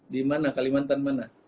dimana kalimantan mana